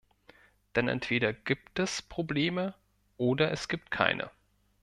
Denn entweder gibt es Probleme oder es gibt keine.